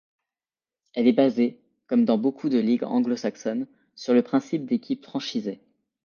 Elle est basée, comme dans beaucoup de ligue anglo-saxonnes, sur le principe d'équipes franchisées.